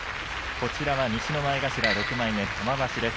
こちらは西の前頭６枚目玉鷲です。